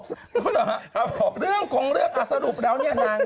ครับผมเรื่องคงเรื่องสรุปแล้วนี่นาง